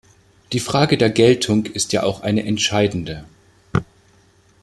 Die Frage der Geltung ist ja auch eine entscheidende.